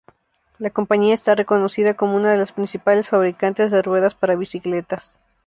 La compañía está reconocida como una de los principales fabricantes de ruedas para bicicletas.